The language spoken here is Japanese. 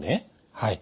はい。